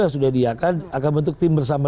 sudah diiakan akan bentuk tim bersama